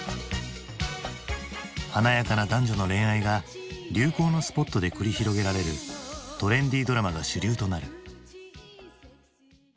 華やかな男女の恋愛が流行のスポットで繰り広げられるトレンディードラマが主流となる。